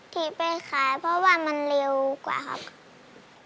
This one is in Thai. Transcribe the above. ที่ไปขายเพราะว่ามันเร็วกว่าครับ